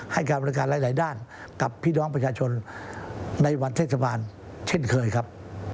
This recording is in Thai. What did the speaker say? ให้การบริการหลายด้านกับพี่น้องประชาชนในวันเทศบาลเช่นเคยครับ